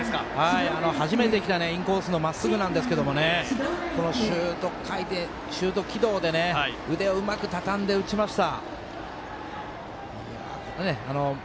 初めてきたインコースのまっすぐなんですけどシュート軌道で腕をうまくたたんで打ちました。